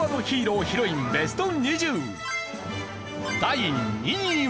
第２位は。